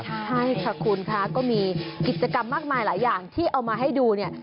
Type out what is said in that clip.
ใช่ค่ะคุณคะก็มีกิจกรรมมากมายหลายอย่างที่เอามาให้ดูเนี่ย